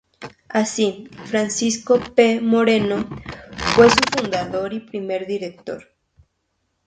Así, Francisco P. Moreno fue su fundador y primer director.